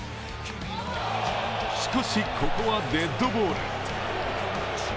しかし、ここはデッドボール。